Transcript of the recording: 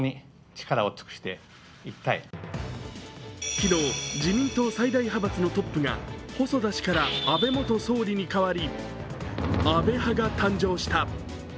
昨日、自民党最大派閥のトップが細田氏から安倍元総理に変わり安倍派が誕生した。